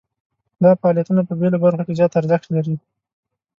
دا فعالیتونه په بیلو برخو کې زیات ارزښت لري.